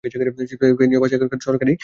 স্পেনীয় ভাষা এখানকার সরকারি ভাষা।